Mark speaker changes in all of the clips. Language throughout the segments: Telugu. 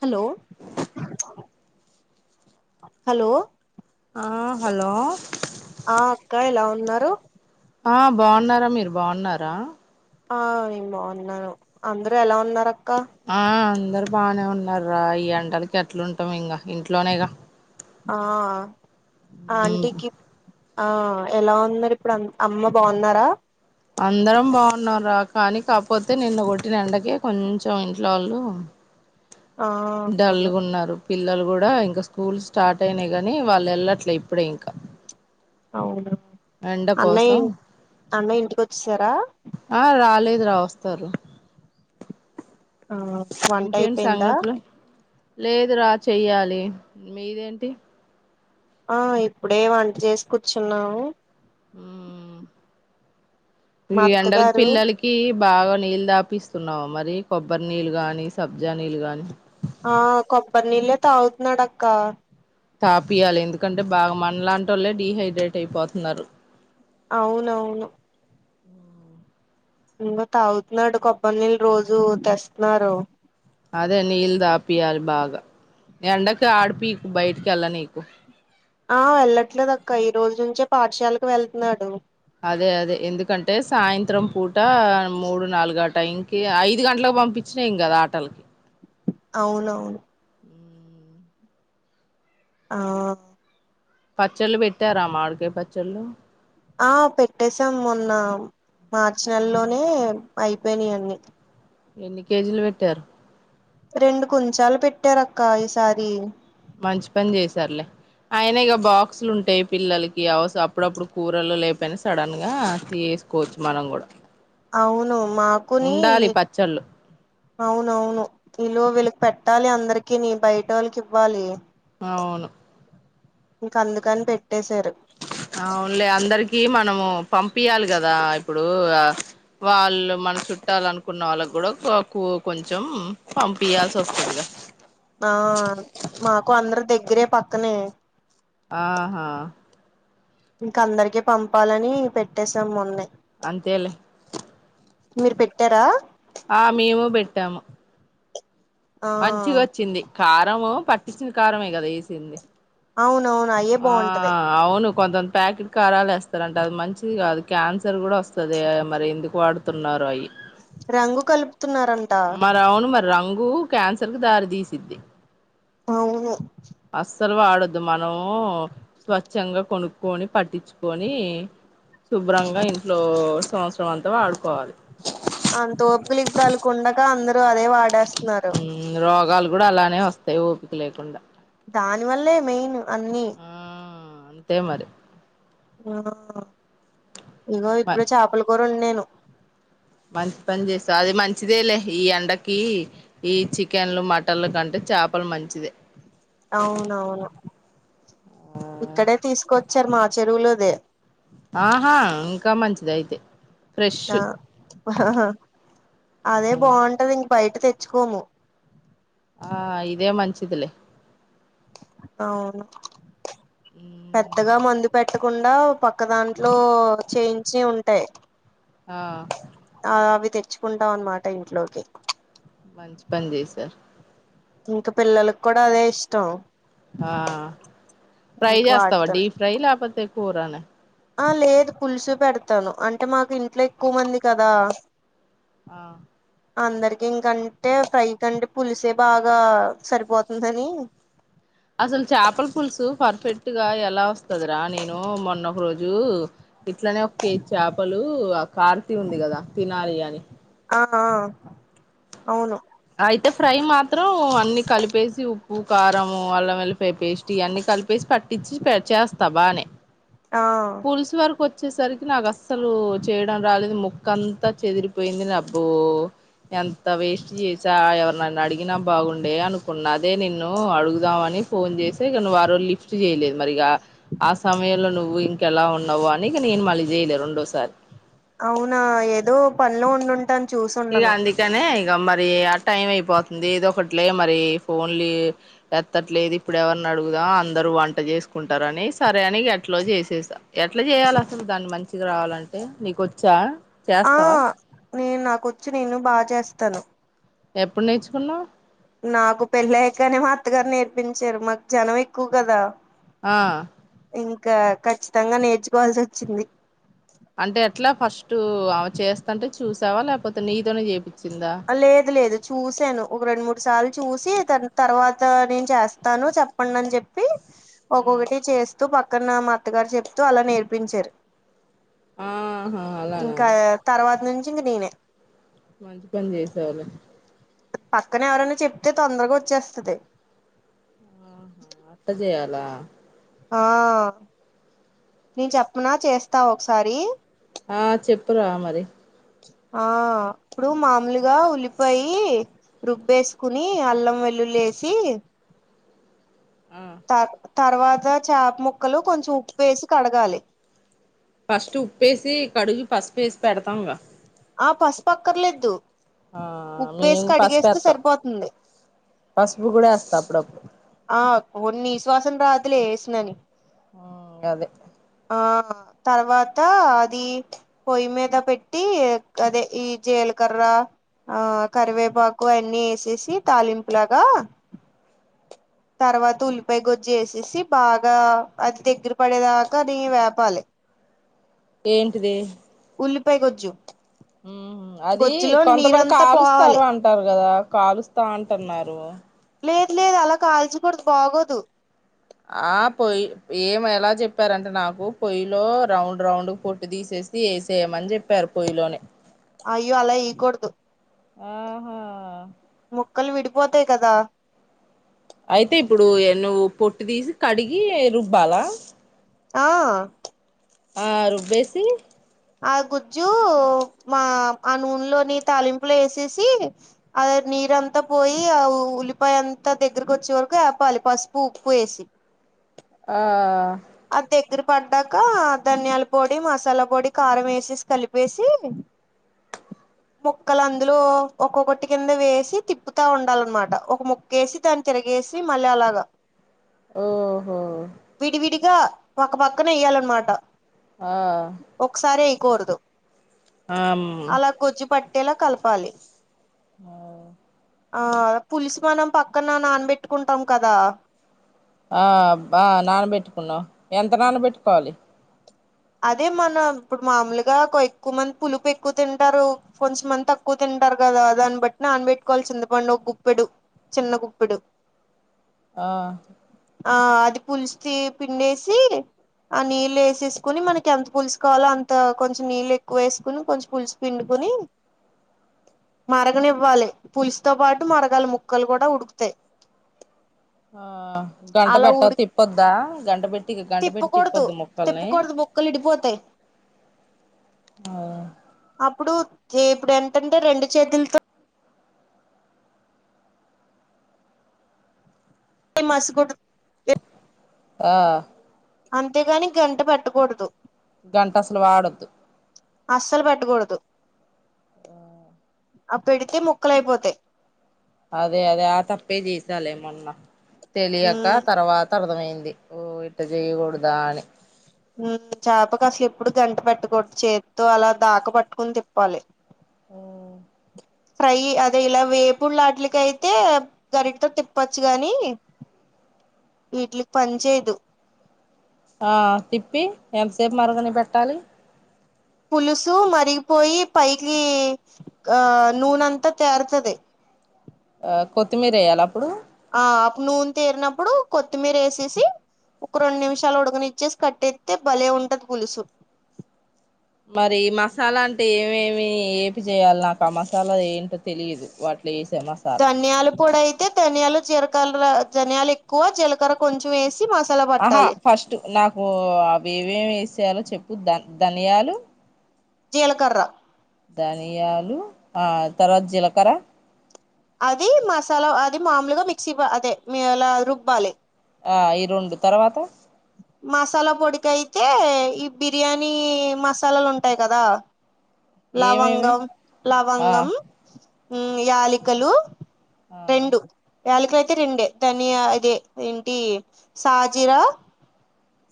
Speaker 1: హలో హలో
Speaker 2: ఆ హలో
Speaker 1: ఆ అక్క ఎలా ఉన్నారు
Speaker 2: ఆ బాన్నారా మీరు బాన్నారా
Speaker 1: ఆ నేను బాన్నాను అందరూ ఎలా ఉన్నారు అక్క
Speaker 2: ఆ అందరు బానే ఉన్నారు రా ఈ ఎండలుకి ఎట్లు ఉంటాము ఇంకా ఇంట్లోనేగా
Speaker 1: ఆ
Speaker 2: మ్
Speaker 1: ఆంటికి ఆ ఎలా ఉన్నారు ఇప్పుడు అంత్ అమ్మ బాన్నారా
Speaker 2: అందరం బాన్నాం రా కానీ కాకపోతే నిన్న కొట్టిన ఎండకే కొంచెం ఇంట్లో వాళ్ళు
Speaker 1: ఆ అవును
Speaker 2: డల్లుగున్నారు పిల్లలు కూడా ఇంకా స్కూల్ స్టార్ట్ అయినాయి గానీ వాళ్ళు ఏళ్ళట్లే ఇప్పుడే ఇంకా
Speaker 1: అవున
Speaker 2: ఎండ
Speaker 1: అన్నయ్
Speaker 2: కోసం
Speaker 1: అన్నయ్య ఇంటికి వచ్చిస్తారా
Speaker 2: ఆ రాలేదు రా వస్తారు
Speaker 1: ఆ వంట
Speaker 2: ఇంకేంటి
Speaker 1: అయిపోయిందా
Speaker 2: సంగతులు లేదు రా చెయ్యాలి మీదేంటి
Speaker 1: ఆ ఇప్పుడే వంట చేసు కూర్చున్నాము
Speaker 2: ఉ ఈ
Speaker 1: మా
Speaker 2: ఎండలు
Speaker 1: అత్తగారు
Speaker 2: పిల్లలకి కి బాగా నీళ్ళు దాపిస్తున్నావు మరి కొబ్బరి నీళ్ళు గాని సబ్జా నీళ్ళు గాని
Speaker 1: ఆ కొబ్బరి నీళ్ళే తాగుతున్నాడు అక్క
Speaker 2: తాపియాలి ఎందుకంటే బాగా మన లాంటి ఓళ్ళే డిీహైడ్రేట్ అయిపోతున్నారు
Speaker 1: అవునవును ఇంకా తాగుతున్నాడు కొబ్బరి నీళ్ళు రోజు తెస్తున్నారు
Speaker 2: అదే నీళ్ళు దాపియాలి బాగా ఎండకి ఆడిపికు బయటికిెళ్ళ నీకు
Speaker 1: ఆ వెళ్ళట్లేదు అక్క ఈ రోజు నుంచే పాఠశాలకు వెళతున్నాడు
Speaker 2: అదే అదే ఎందుకంటే సాయంత్రం పూట మూడు నాలుగు ఆ టైం కి ఐదు గంటలకు పంపించినా ఏం కదా ఆటలకి
Speaker 1: అవునవును
Speaker 2: ఉ
Speaker 1: ఆ
Speaker 2: పచ్చళ్ళు పెట్టారా మాడికయ్ పచ్చళ్ళు
Speaker 1: ఆ పెట్టేసాం మొన్న మార్చి నెలలోనే అయిపోయినాయి అన్నీ
Speaker 2: ఎన్ని కేజీలు పెట్టారు
Speaker 1: రెండు కుంచాలు పెట్టారు అక్క ఈసారి
Speaker 2: మంచి పని చేసారులే అయినా ఇగ బాక్సులు ఉంటాయి పిల్లలకి అవస్ అప్పుడప్పుడు కూరలు లేపోనా సడన్ గా తీస్ కోచ్ మనం గూడ
Speaker 1: అవును మాకునీ
Speaker 2: ఉండాలి పచ్చళ్ళు
Speaker 1: అవునవును ఇలో వీళ్ళకి పెట్టాలి అందరికిని బయట ఓళ్లకి ఇవ్వాలి
Speaker 2: అవును
Speaker 1: ఇంక అందుకని పెట్టేశారు
Speaker 2: అవునులే అందరికి మనము పంపియాలి కదా ఇప్పుడు వాళ్ళు మన చుట్టాలు అనుకున్న వాళ్ళకి కూడా కొకువ కొంచెం పంపియాల్సి వస్తదిగా
Speaker 1: ఆ మాకు అందరు దగ్గరే పక్కనే
Speaker 2: ఆహా
Speaker 1: ఇంక అందరికీ పంపాలని పెట్టేసాం మొన్నే
Speaker 2: అంతేలే
Speaker 1: మీరు పెట్టారా
Speaker 2: ఆ మేము పెట్టాము
Speaker 1: ఆ
Speaker 2: మంచిగా వచ్చింది కారము పట్టించిన కారమే కదా వేసింది
Speaker 1: అవును అవును అయే
Speaker 2: ఆ
Speaker 1: బాగుంటది
Speaker 2: అవును కొంత ప్యాకెట్ కారాలు వేస్తారంటే అది మంచిది కాది క్యాన్సర్ కూడా వస్తది మరి ఎందుకు వాడు తున్నారు అయి
Speaker 1: రంగు కలుపుతున్నారంట
Speaker 2: మరి అవును మరి రంగు క్యాన్సర్ కి దారి తీసిద్ది
Speaker 1: అవును
Speaker 2: అస్సలు వాడద్దు మనము స్వచ్ఛంగా కొనుక్కొని పట్టిచుకొని శుభ్రంగా ఇంట్లో సంవత్సరం అంతా వాడుకోవాలి
Speaker 1: అంతోపికిలి ఇప్పుడు ఆళ్లకి ఉండదా అందరూ అదే వాడేస్తున్నారు
Speaker 2: రోగాలు కూడా అలానే వస్తాయి ఓపిక లేకుండా
Speaker 1: దాని వల్లే మెయిన్ అన్ని
Speaker 2: ఆ అంతే మరి
Speaker 1: ఆ ఇగో
Speaker 2: మ
Speaker 1: ఇప్పుడే చాపల కూర వండాను
Speaker 2: మంచి పని చేసా అది మంచిదేలే ఈ ఎండకి ఈ చికన్లు మటన్లు కంటే చాపలు మంచిదే
Speaker 1: అవునవును ఇక్కడే తీసుకొచ్చారు మా చెరువులోదే
Speaker 2: ఆహా ఇంకా మంచిది అయితే ఫ్రెష్
Speaker 1: ఆ
Speaker 2: ఆ
Speaker 1: అదే బాగుంటది ఇంక బయట తెచ్చుకోము
Speaker 2: ఆ ఇదే మంచిదిలే
Speaker 1: అవును పెద్దగా మందు పెట్టకుండా పక్క దాంట్లో చేయించి ఉంటాయి
Speaker 2: ఆ
Speaker 1: ఆవి తెచ్చుకుంటాం అన్నమాట ఇంట్లోకి
Speaker 2: మంచిపని చేసా
Speaker 1: ఇంక పిల్లలకి కూడా అదే ఇష్టం
Speaker 2: ఆ ఫ్రై
Speaker 1: ఇంక
Speaker 2: చేస్తావా
Speaker 1: వాటితోనే
Speaker 2: డీప్ ఫ్రై లాపోతే కూరనా
Speaker 1: ఆ లేదు పులుసు పెడతాను అంటే మాకు ఇంట్లో ఎక్కువ మంది కదా
Speaker 2: ఆ
Speaker 1: అందరికి ఇంకంటే ఫ్రై కంటే పులుసే బాగా సరిపోతుందని
Speaker 2: అసలు చాపల పులుసు పర్ఫెక్ట్ గా ఎలా వస్తదిరా నేను మొన్న ఒక రోజు ఇట్లనే ఒక కేజీ చాపలు కార్తి ఉంది కదా తినాలి అని
Speaker 1: ఆహా అవును
Speaker 2: అయితే ఫ్రై మాత్రం అన్ని కలిపేసి ఉప్పు, కారము, అల్లం, వెల్లిపాయి పేస్ట్ ఇయన్నీ కలిపేసి పట్ ఇచ్చి పె చేస్తా బానే
Speaker 1: ఆ
Speaker 2: పుల్సు వరకు వచ్చేసరికి నాకు అస్సలు చేయడం రాలేదు ముక్క అంతా చెదిరిపోయింది అబ్చో ఎంత వేస్ట్ చేసి చ ఎవరునన్న అడిగినా బాగుండే అనుకున్న అదే నిన్ను అడుగుదామని ఫోన్ చేసే నువ్వు ఆరోజు లిఫ్ట్ చేయలేదు మరిక ఆ సమయంలో నువ్వు ఇంకెలా ఉన్నావు అని నేను మళ్ళీ చేయలేదు రెండోసారి
Speaker 1: అవునా ఏదో పనిలో వండుంటాను
Speaker 2: ఇక అందుకనే ఇక మరి ఆ టైం అయిపోతుంది ఏదో ఒకటిలే మరి ఫోన్లీ ఎత్తట్లేదు ఇప్పుడెవరిని అడుగుదాం అందరూ వంట చేసుకుంటారని సరే అని ఏట్లో చేసేసా ఎట్లా చేయ్యాలి అసలు దాన్ని మంచిగా రావాలంటే నీకొచ్చా చేస్తావా
Speaker 1: నే నాకొచ్చు నేను బా చేస్తాను
Speaker 2: ఎప్పుడు నేర్చుకున్నావ్
Speaker 1: నాకు పెళ్ళయకనే అత్తగారు నేర్పించారు మాకు జనం ఎక్కువ కదా
Speaker 2: ఆ
Speaker 1: ఇంకా ఖచ్చితంగా నేర్చుకోవాల్సి వచ్చింది
Speaker 2: అంటే ఎట్లా ఫస్ట్ ఆమ చేస్తంటే చూసావా లేకపోతే నీతోని చేపిచ్చిందా
Speaker 1: లేదు లేదు చూసాను ఒక రెండు మూడు సార్లు చూసి తర్వాత నేను చేస్తాను చెప్పండి అని చెప్ ప్పి ఒక్కొక్కటి చేస్తూ పక్కన మా అత్తగారు చెప్తూ అలా నేర్పించారు
Speaker 2: ఆహా అలానా
Speaker 1: ఇంకా తర్వాత నుంచి ఇంక నేనే
Speaker 2: మంచి పని చేసావులే
Speaker 1: పక్కన ఎవరైనా చెప్తే తొందరగా వచ్చేస్తది
Speaker 2: స్త చేయాలా
Speaker 1: ఆ నేను చెప్పన చేస్తావా ఒకసారి
Speaker 2: ఆ చెప్పురా మరి
Speaker 1: ఆ ఇప్పుడు మామలుగా ఉల్లిపాయి రుబ్బేసుకుని అల్లం వెల్లుల్లి ఏసి
Speaker 2: ఆ
Speaker 1: తర్వాత చాప ముక్కలు కొంచెం ఉప్పు వేసి కడగాలి
Speaker 2: ఫస్ట్ ఉప్పేసి కడిగి పసుపేసి పెడతామ్ గా
Speaker 1: ఆ పసుపుపక్కర్లేదు
Speaker 2: ఆ
Speaker 1: ఉప్పు వేసి
Speaker 2: మేము
Speaker 1: కడిగేస్తే
Speaker 2: పసుపేత్తాం
Speaker 1: సరిపోతుంది
Speaker 2: పసుపు కూడా ఏస్తా అప్పుడప్పుడు
Speaker 1: ఆ కొనీసువాసన రాదులే ఎసనని
Speaker 2: ఆ గదే
Speaker 1: ఆ తర్వాత అది పొయ్యి మీద పెట్టి గదే ఈ జీలకర్ర ఆ కరివేపాకు అయన్నీ ఎసేసి తాలింపు లాగా తర్వాత ఉల్లిపాయ గొజ్జు వేసేసి బాగా అది దగ్గర పడేదాకా అది వేపాలి
Speaker 2: ఏంటిది
Speaker 1: ఉల్లిపాయ గొజ్జు
Speaker 2: ఉమ్ హు అది
Speaker 1: గొజ్జులో
Speaker 2: కొంతమంది
Speaker 1: నీరంతా పోవాలి
Speaker 2: కాలుస్తారు అంటారు కదా కాలుస్తా అంటన్నారు
Speaker 1: లేదు లేదు అలా కాల్చకూడాదు బాగోదు
Speaker 2: ఆ పొయ్యి ఏం ఎలా చెప్పారంటే నాకు పొయ్యిలో రౌండ్ రౌండ్ పొట్టు తీసేస్ ది ఏసేయ్యమని చెప్పారు పొయ్యిలోని
Speaker 1: అయ్యో అలా ఎయికూడదు.
Speaker 2: ఆహ
Speaker 1: ముక్కలు విడిపోతయి కదా
Speaker 2: అయితే ఇప్పుడు నువ్వు పొట్టు తీసి కడిగి రుబ్బాలా
Speaker 1: ఆ
Speaker 2: హా రుబ్బేసి
Speaker 1: ఆ గుజ్జు మా ఆ నూనెలోని తాలింపులు ఏసేసి అదే నీరంతా పోయి ఆ ఉల్లిపాయ అంతా దగ్గరకి వచ్చే వరకు ఆపాలి పసుపు ఉప్పు ఏసి
Speaker 2: ఆ
Speaker 1: అది దగ్గర పడ్డాక ధనియాల పొడి మసాలా పొడి కారం ఏసేసి కలిపేసి ముక్కలు అందులో ఒక్కొక్కటి కింద వేసి తిప్పుతా ఉండాలన్నమాట ఒక ముక్ గేసి తాని తిరగేసి మళ్ళీ అలాగా
Speaker 2: ఓహో
Speaker 1: విడివిడిగా పక్కపక్కన ఏయ్యాలన్నమాట
Speaker 2: ఆ
Speaker 1: ఒకసారి ఏయకూడదు
Speaker 2: ఆమ్
Speaker 1: అలా గుజ్జు పట్టేలా కలపాలి
Speaker 2: ఆ
Speaker 1: ఆ పులిసు మనం పక్కన నానబెట్టుకుంటాం కదా
Speaker 2: ఆ బ నానబెట్టుకున్నవు ఎంత నానబెట్టుకోవాలి
Speaker 1: అదే మన ఇప్పుడు మామూలుగా ఎక్కువ మంది పులుపు ఎక్కువ తింటారు కొంచెంమంత తక్కువ తింటారు కదా దాన్ని బట్టి నానబట్టుకోవాలి చింతపండు ఒ గుప్పెడు చిన్న గుప్పెడు
Speaker 2: ఆ
Speaker 1: ఆ అది పులుస్థి పిండేసి ఆ నీళ్ళు ఎసేసి కుని మనకి ఎంత పులుసుకావాలో అంత కొంచెం నీళ్ళు ఎక్కువ వేసుకుని కొంచం పులుసు పిండుకుని మరగనివ్వాలి పులుసుతో పాటు మరగాలే ముక్కలు కూడా ఉడుకుతయి
Speaker 2: ఆ
Speaker 1: అలా
Speaker 2: గంటబెట్ట
Speaker 1: ఉడికి
Speaker 2: తిప్పొద్దా గంటబెట్ ఇగ గంట పెట్టీ
Speaker 1: తిప్పకూడదు
Speaker 2: తిప్పద్ద ముక్కల్ని
Speaker 1: తిప్పకూడదు ముక్కలు ఇడిపోతాయి
Speaker 2: ఆ
Speaker 1: అప్పుడు ఇప్పుడు ఎంతంటే రెండు చేతులతో మాస్గుడు [unintelligible]
Speaker 2: ఆ
Speaker 1: అంతేగాని గంట పెట్టకూడదు
Speaker 2: గంట అసలు వాడొద్దు
Speaker 1: అస్సలు పెట్టకూడదు అ పెడితే ముక్కలయిపోతాయి
Speaker 2: అదే అదే ఆ తప్పే చేసాలే మొన్న తెలియక
Speaker 1: మ్మ్
Speaker 2: తర్వాత అర్థమైంది ఓ ఇట్ట చెయకూడదా అని
Speaker 1: ఉ చేపకు అసలు ఎప్పుడు గంట పెట్టకూడదు చేత్తో అలా దకా పట్టుకుని తిప్పాలి
Speaker 2: ఉ
Speaker 1: ఫ్రై అదే ఇలా వేపుడులాట్లకి అయితే గరిటతో తిప్పచ్చు గాని వీట్లకి పని చేయదు
Speaker 2: ఆ తిప్పి ఎంతసేపు మరగని పెట్టాలి
Speaker 1: పులుసు మరిగిపోయి పైకి గా నూనె అంతా తేరుతది
Speaker 2: ఆ కొత్తిమీర వేయాలా అప్పుడు
Speaker 1: ఆ అప్ నూనె తేరినప్పుడు కొత్తిమీర ఎసేసి ఒక రెండు నిమిషాలు ఉడకనిచ్చేసి కట్టెతే భలే ఉంటది పులుసు
Speaker 2: మరి మసాలా అంటే ఏమేమి ఏపి చేయాలి నాకు ఆ మసాలా ఏంటో తెలియదు వాటిలో ఎసే మసా
Speaker 1: ధనియాలు పొడైతే ధనియాలు జీలకార్ల ధనియాలు ఎక్వ జీలకర్ర కొంచెం ఎసి మసాలా
Speaker 2: ఆహా
Speaker 1: పట్టాలి
Speaker 2: ఫస్ట్ నాకూ అవి ఏవే సేయాలో చెప్పు ధ ధనియాలు
Speaker 1: జీలకర్ర
Speaker 2: ధానియాలు ఆ తర్వాత జీలకర్ర
Speaker 1: అది మసాలా అది మాముల్గ మిక్సీ బా అదే మీ అలా రుబ్బాలి
Speaker 2: ఆ ఈ రోండు తర్వాత
Speaker 1: మసాలా పొడికేతే ఈ బిర్యానీ మసాలాలు ఉంటాయి కదా
Speaker 2: ఏమేమి
Speaker 1: లవంగం
Speaker 2: ఆ
Speaker 1: లవంగం ఉమ్ యాలికలు
Speaker 2: ఆ
Speaker 1: రెండు యాలికలు అయితే రెండే ధనియా అదే ఏంటి సాజిరా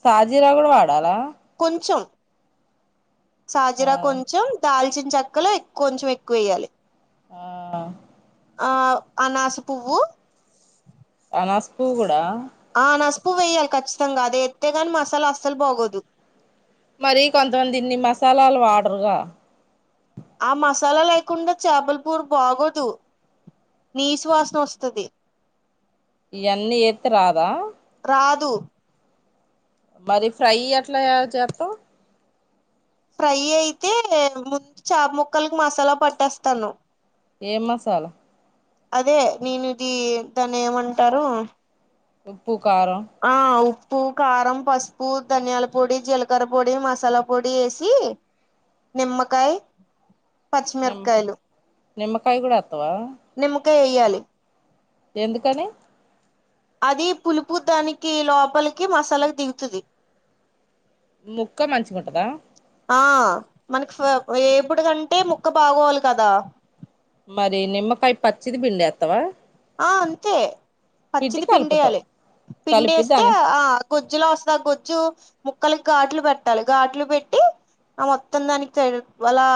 Speaker 2: సాజీరా గూడా వాడాలా
Speaker 1: కొంచెం
Speaker 2: ఆ
Speaker 1: సాజిరా కొంచెం తాల్చిన్ చెక్కలు ఎక్కు కొంచెం ఎక్వ ఏయాలి
Speaker 2: ఆ
Speaker 1: ఆ అనాస పువ్వు
Speaker 2: అనాస పువ్వు కూడా
Speaker 1: ఆ అనస పువ్వు ఏయాలి ఖచ్చితంగా అదే ఎత్తేగాని మసాలా అస్సలు బాగోదు
Speaker 2: మరి కొంతమంది ఇన్ని మసాలాలు వాడ్రుగా
Speaker 1: ఆ మసాలా లేకుండా చేపలపూరు బాగోదు నీస్ వాసన ఓస్తది
Speaker 2: ఇయాన్నీ ఏతే రాదా
Speaker 1: రాదు
Speaker 2: మరి ఫ్రై ఎట్లా జెత్తావ్
Speaker 1: ఫ్రై అయితే ముందు చాప్ ముక్కల్కి మసాలా పట్టేస్తాను
Speaker 2: ఏం మసాలా
Speaker 1: అదే నేనీది దాన్ని ఏవంటారూ
Speaker 2: ఉప్పు కారం
Speaker 1: ఆ ఉప్పు కారం పసుపు ధనియాల పొడి జీలకర్ర పొడి మసాలా పొడి ఎసీ నిమ్మకాయ
Speaker 2: నిమ్
Speaker 1: పచ్చిమిరప్కాయలు
Speaker 2: నిమ్మకాయ గూడ ఎత్తవా
Speaker 1: నిమ్మకాయ్ ఎయ్యాలి
Speaker 2: ఎందుకని
Speaker 1: అది పులుపు దానికి లోపలికి మసాలాకి దిగుతుది
Speaker 2: ముక్క మంచిగున్టదా
Speaker 1: ఆ మనక్ ఫ ఎపుడుగంటే ముక్క బావోలి గదా
Speaker 2: మరి నిమ్మకాయ్ పచ్చిది బిండేత్వా
Speaker 1: ఆ అంతే పచ్చిది
Speaker 2: కలుపుతావు
Speaker 1: పిండేయలీ
Speaker 2: కలిపి
Speaker 1: పిండేస్తే
Speaker 2: దాని
Speaker 1: ఆ గొజ్జులో ఓస్త ఆ గజ్జు ముక్కలక్ ఘాట్లు పెట్టాలి ఘాట్లు పెట్టి ఆ మొత్తం దానికి తే వలా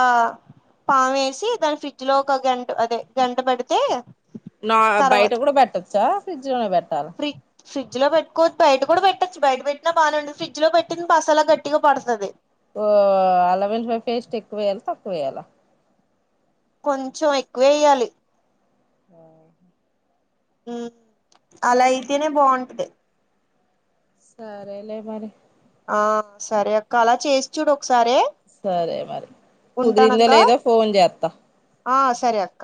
Speaker 1: పావేసి దాని ఫ్రిడ్జ్ లో ఒక గంట అదే గంట పడితే
Speaker 2: నా బైట గూడా బెట్టచ్చా ఫ్రిడ్జ్ లోనే బెట్టాలా
Speaker 1: ఫ్రి ఫ్రిడ్జ్ లో పెట్టుకో బైట గూడా బెట్టొచ్చు బైట పెట్టినా బానే ఉంటది ఫ్రిజ్లో పెట్టింది మసాలా గట్టిగా పడ్తది
Speaker 2: ఓ అల్లం వెల్లిపై ఫేస్ట్ ఎక్వ ఎయాలి తక్వ ఎయాలా
Speaker 1: కొంచం ఎక్కువే వయ్యాలి
Speaker 2: ఆ
Speaker 1: ఉ అలా అయితేనే బాగుంటె
Speaker 2: సరే లే మరి
Speaker 1: ఆ సరే అక్క అలా చేసి చూడు ఒకసారే
Speaker 2: సరే మరి కుదిరిందా లేదో ఫోన్ చేత
Speaker 1: ఆ సరే అక్క